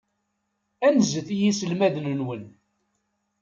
Anzet i yiselmaden-nwen.